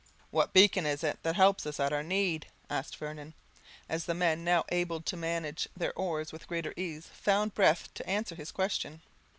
"What beacon is it that helps us at our need?" asked Vernon, as the men, now able to manage their oars with greater ease, found breath to answer his question.